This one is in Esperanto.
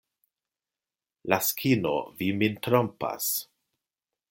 Laskino, vi min trompas.